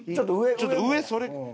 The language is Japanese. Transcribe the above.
ちょっと上それ。